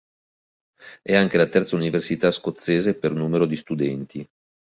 È anche la terza università scozzese per numero di studenti.